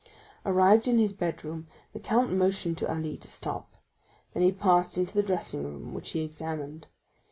Arrived in his bedroom, the count motioned to Ali to stop; then he passed into the dressing room, which he examined.